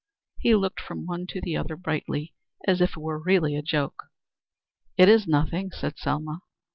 He looked from one to the other brightly as if it were really a joke. "It is nothing," said Selma.